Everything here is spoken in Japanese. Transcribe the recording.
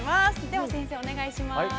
では先生、お願いします。